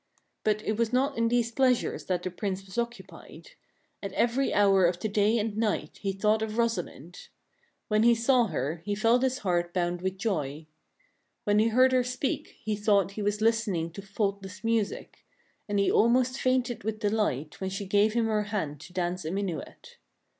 But it was not in these pleasures that the Prince was occupied. At every hour of the day and night he thought of Rosalind. When he saw her, he felt his heart bound with joy. 68 THE FAIRY SPINNING WHEEL When he heard her speak, he thought he was listening to fault less music ; and he almost fainted with delight when she gave him her hand to dance a minuet.